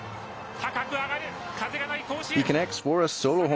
高く上がる、風がない甲子園。